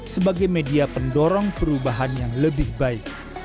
sebagai media pendorong perubahan yang lebih baik